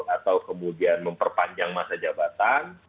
atau kemudian memperpanjang masa jabatan